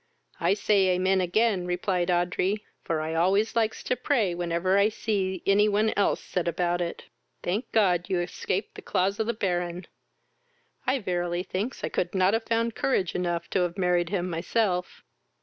"I say amen again, (replied Audrey,) for I always likes to pray whenever I see any one else set about it. Thank God you escaped the claws of the Baron: I verily thinks I could not have found courage enuf to have married him myself."